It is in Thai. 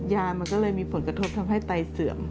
ยามันก็เลยมีผลกระทบทำให้ไตเสื่อม